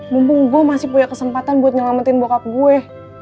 mumpung gue masih punya kesempatan buat nyelamatin bokap gue